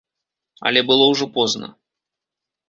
Але было ўжо позна.